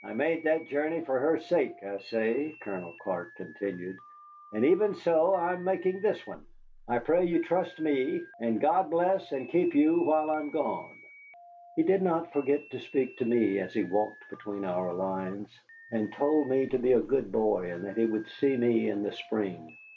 "I made that journey for her sake, I say," Colonel Clark continued, "and even so I am making this one. I pray you trust me, and God bless and keep you while I am gone." He did not forget to speak to me as he walked between our lines, and told me to be a good boy and that he would see me in the spring.